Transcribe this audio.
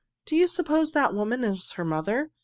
"Do you suppose that woman is her mother?